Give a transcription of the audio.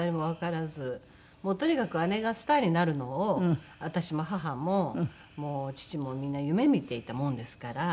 とにかく姉がスターになるのを私も母も父もみんな夢見ていたもんですから。